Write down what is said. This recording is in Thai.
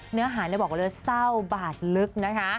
เนื้ออาหารบอกว่าเรือเศร้าบาดลึกนะคะ